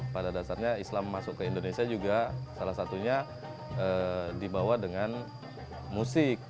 pada dasarnya islam masuk ke indonesia juga salah satunya dibawa dengan musik